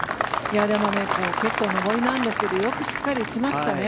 でも、結構上りなんですがよくしっかり打ちましたね。